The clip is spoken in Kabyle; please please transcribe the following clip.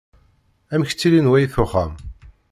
Amek ttilin wayt uxxam?